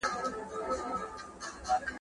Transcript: سو، دا نو هغه وخت وو چي کتابتون د ښه کتولوګ